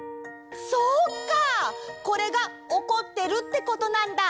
そうかこれがおこってるってことなんだ。